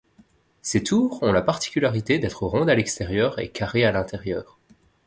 Ces tours ont la particularité d'être rondes à l'extérieur et carrées à l'intérieur.